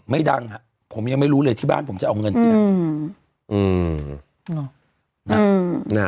ไม่ดังผมยังไม่รู้เลยที่บ้านผมจะเอาเงิน